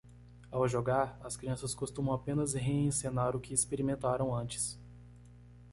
Ao jogar?, as crianças costumam apenas reencenar o que experimentaram antes.